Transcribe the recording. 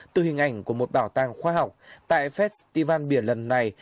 từ hình ảnh của một bảo tàng khoa học tại festival biển lần này